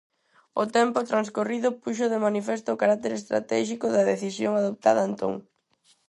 O tempo transcorrido puxo de manifesto o carácter estratéxico da decisión adoptada entón.